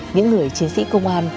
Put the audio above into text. những người chiến sĩ công an